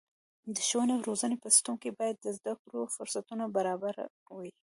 د ښوونې او روزنې په سیستم کې باید د زده کړو فرصتونه برابره وي.